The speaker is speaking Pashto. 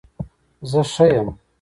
زه ښه يم